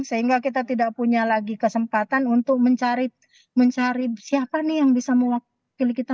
sehingga kita tidak punya lagi kesempatan untuk mencari siapa nih yang bisa mewakili kita